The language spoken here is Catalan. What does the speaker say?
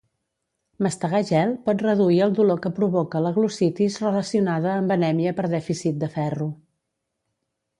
Mastegar gel por reduir el dolor que provoca la glossitis relacionada amb anèmia per dèficit de ferro.